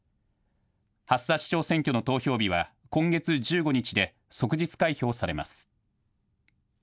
蓮田市長選挙の投票日は今月１５日で即日開票されます。